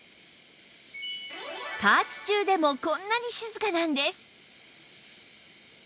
加圧中でもこんなに静かなんです